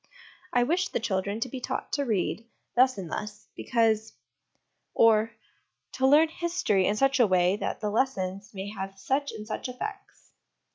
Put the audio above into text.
' I wish the children to be taught to read, thus and thus, because ': or, ' to learn history in such a way that the lessons may have such and such effects.'